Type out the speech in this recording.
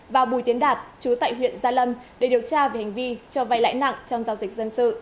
và bùi tiến đạt chú tại huyện gia lâm để điều tra về hành vi cho vay lãi nặng trong giao dịch dân sự